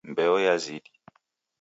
Mbeo yazidi.